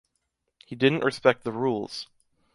He didn’t respect the rules.